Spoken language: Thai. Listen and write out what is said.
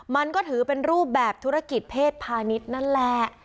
มันก็ถือเป็นรูปแบบธุรกิจเพศพาณิชย์นั่นแหละ